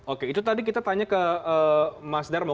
oke itu tadi kita tanya ke mas darmo